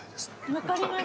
分かります。